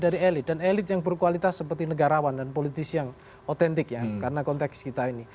dari elit dan elit yang berkualitas seperti negarawan dan politisi yang otentik ya karena konteks kita ini